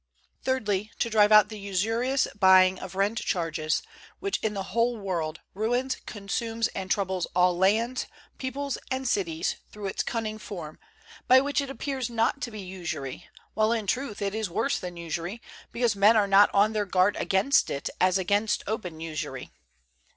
Thirdly, to drive out the usurious buying of rent charges, which in the whole world ruins, consumes and troubles all lands, peoples and cities through its cunning form, by which it appears not to be usury, while in truth it is worse than usury, because men are not on their guard against it as against open usury.